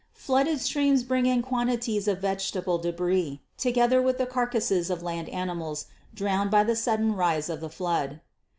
Flooded streams bring in quantities of vegetable debris, together with the carcasses of land animals drowned by the sudden rise of the flood.